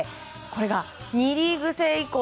これが２リーグ制以降